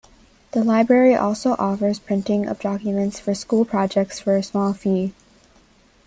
The library also offers printing of documents for school projects for a small fee.